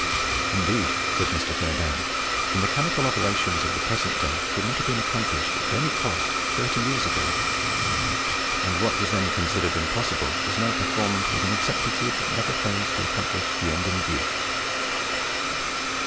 "Indeed," says Mr. Fairbairn, "the mechanical operations of the present day could not have been accomplished at any cost thirty years ago; and what was then considered impossible is now performed with an exactitude that never fails to accomplish the end in view."